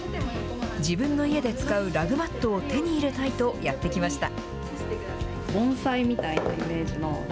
自分の家で使うラグマットを手に入れたいとやって来ました。